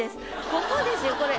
ここですよこれ。